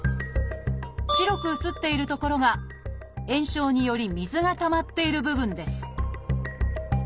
白く写っている所が炎症により水がたまっている部分です